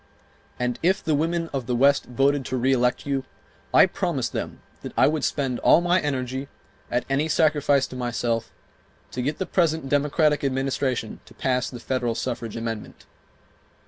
And if the women of the West voted to reelect you, I promised them that I would spend all my energy, at any sacrifice to myself, to get the present Democratic Administration to pass the federal suffrage amendment.